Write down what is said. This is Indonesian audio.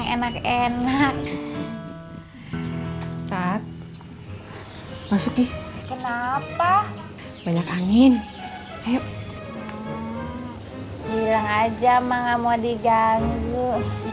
enak enak saat masukin kenapa banyak angin ayo bilang aja mama mau diganggu